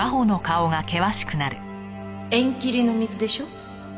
縁切りの水でしょ。